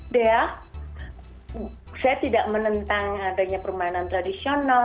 dea saya tidak menentang adanya permainan tradisional